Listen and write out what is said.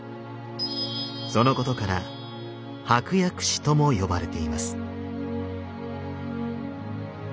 そのことから「箔薬師」とも呼ばれています。